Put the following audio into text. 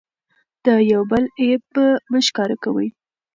د یو بل عیب مه ښکاره کوئ.